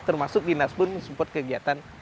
termasuk dinas pun mensupport kegiatan yang kami lakukan